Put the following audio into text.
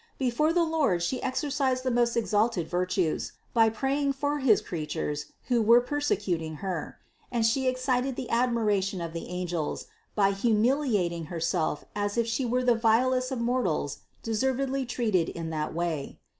Before the Lord She exercised the most exalted virtues, by praying for his creatures who were persecut ing Her; and She excited the admiration of the angels, by humiliating Herself as if She were the vilest of mor tals deservedly treated in that way.